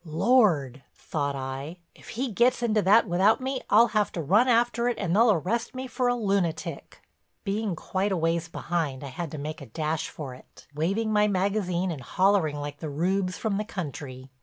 "Lord," thought I, "if he gets into that without me I'll have to run after it and they'll arrest me for a lunatic." Being quite a ways behind, I had to make a dash for it, waving my magazine and hollering like the rubes from the country.